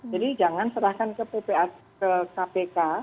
jadi jangan serahkan ke kpk